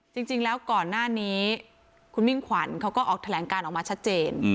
จริงแล้วก่อนหน้านี้คุณมิ่งขวัญเขาก็ออกแถลงการออกมาชัดเจน